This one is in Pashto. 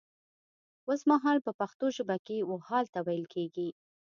وسمهال په پښتو ژبه کې و حال ته ويل کيږي